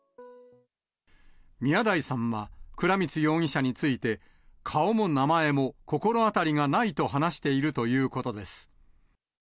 宮台さんは、倉光容疑者について、顔も名前も心当たりがないと話しているということです。